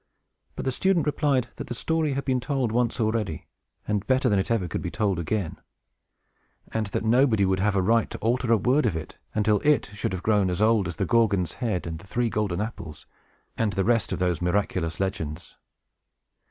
But the student replied that the story had been told once already, and better than it ever could be told again; and that nobody would have a right to alter a word of it, until it should have grown as old as "The Gorgon's Head," and "The Three Golden Apples," and the rest of those miraculous legends.